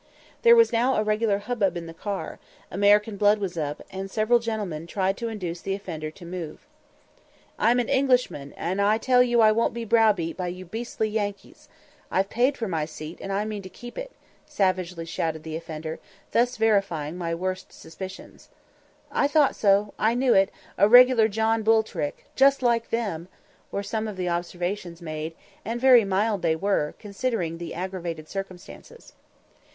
There was now a regular hubbub in the car; American blood was up, and several gentlemen tried to induce the offender to move. "I'm an Englishman, and I tell you I won't be brow beat by you beastly Yankees. I've paid for my seat, and I mean to keep it," savagely shouted the offender, thus verifying my worst suspicions. "I thought so! I knew it! A regular John Bull trick! just like them!" were some of the observations made, and very mild they were, considering the aggravated circumstances.